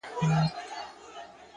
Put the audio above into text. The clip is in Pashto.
هر منزل د نویو مسئولیتونو پیل دی’